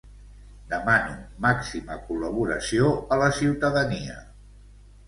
Demano màxima col·laboració a la ciutadania.